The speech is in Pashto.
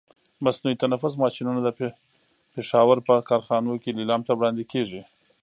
مصنوعي تنفس ماشینونه د پښاور په کارخانو کې لیلام ته وړاندې کېږي.